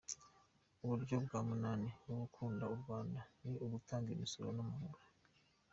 Uburyo bwa munani bwo gukunda u Rwanda, ni ugutanga imisoro n’amahoro.